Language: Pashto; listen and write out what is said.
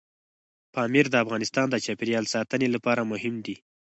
پامیر د افغانستان د چاپیریال ساتنې لپاره مهم دي.